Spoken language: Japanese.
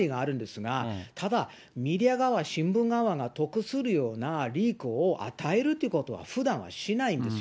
ですから、そういう役割があるんですが、ただ、メディア側は、新聞側が得するようなリークを与えるということはふだんはしないんですよ。